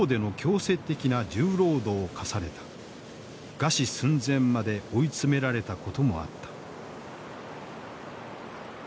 餓死寸前まで追い詰められたこともあった。